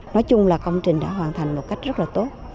nói chung là công trình đã hoàn thành một cách rất là tốt